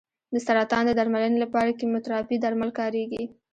د سرطان د درملنې لپاره کیموتراپي درمل کارېږي.